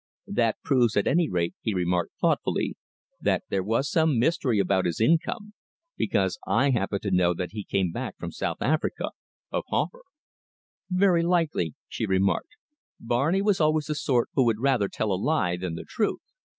"That proves, at any rate," he remarked thoughtfully, "that there was some mystery about his income, because I happen to know that he came back from South Africa a pauper." "Very likely," she remarked. "Barney was always the sort who would rather tell a lie than the truth."